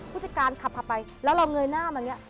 ผู้จัดการขับไปแล้วเราเงยหน้ามาเนี่ย